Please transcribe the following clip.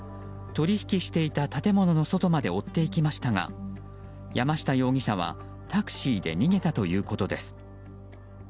取引していた建物の外まで追っていきましたが山下容疑者はタクシーで逃げたということです。